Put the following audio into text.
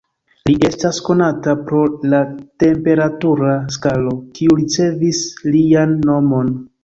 Li estas konata pro la temperatura skalo, kiu ricevis lian nomon.